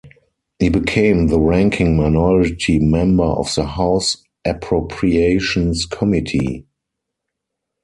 He became the ranking minority member of the House Appropriations Committee.